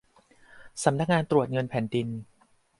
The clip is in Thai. สำนักงานตรวจเงินแผ่นดิน